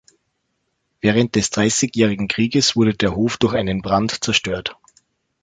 Während des Dreißigjährigen Krieges wurde der Hof durch einen Brand zerstört.